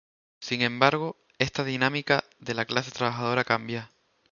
Sin embargo, esta dinámica de la clase trabajadora cambia.